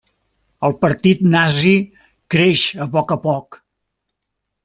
El Partit Nazi creix a poc a poc.